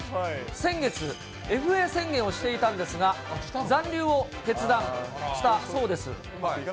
先月、ＦＡ宣言をしていたんですが、残留を決断したそうです。